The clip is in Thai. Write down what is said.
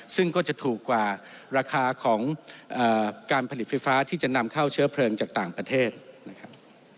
ซึ่งก็จะถูกกว่าราคาของการผลิตไฟฟ้าที่จะนำเข้าเชื้อเพลิงจากต่างประเทศนะครับ